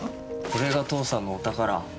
これが父さんのお宝。